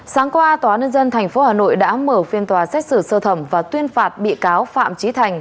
sáng qua tòa nhân dân tp hà nội đã mở phiên tòa xét xử sơ thẩm và tuyên phạt bị cáo phạm trí thành